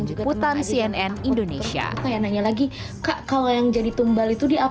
ibu putan cnn indonesia